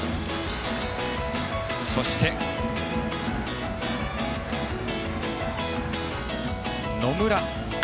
そして、野村。